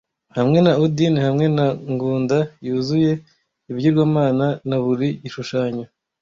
Hamwe na Odin hamwe na Ngunda -yuzuye- ibigirwamana na buri gishushanyo,